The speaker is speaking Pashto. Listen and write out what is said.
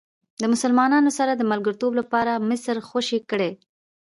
د مسلمانانو سره د ملګرتوب لپاره مصر خوشې کړئ.